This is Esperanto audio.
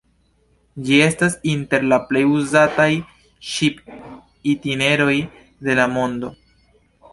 Ĝi estas inter la plej uzataj ŝip-itineroj de la mondo.